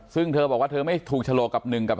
ซึ่งเธอบอกว่าเธอไม่ถูกฉลกกับหนึ่งกับ